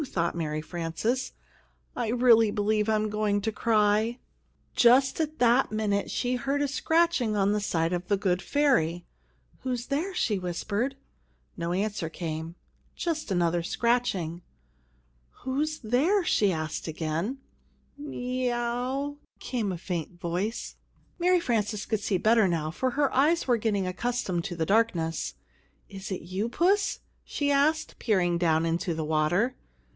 thought Mary Frances. "I really believe I am going to cry." Just at that minute she heard a scratching on the side of The Good Ferry. "Who's there?" she whispered. [Illustration: SHE FED HIM A LITTLE AT A TIME WITH A MEDICINE DROPPER] No answer came. Just another scratching. "Who's there?" she asked again. "Me ow!" came a faint voice. Mary Frances could see better now, for her eyes were getting accustomed to the darkness. "Is it you, Puss?" she asked, peering down into the water.